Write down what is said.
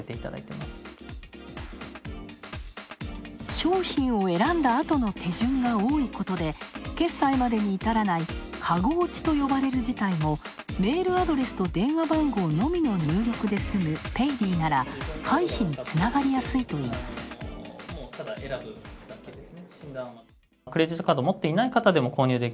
商品を選んだあとの手順が多いことで決済までにいたらないかご落ちと呼ばれる事態もメールアドレスと電話番号のみの入力ですむペイディなら回避につながりやすいといいます。